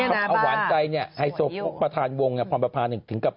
เป็นอาทิตย์แล้วมั้ง